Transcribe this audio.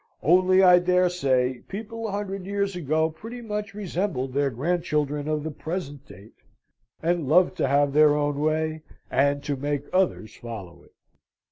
Only I dare say people a hundred years ago pretty much resembled their grandchildren of the present date, and loved to have their own way, and to make others follow it.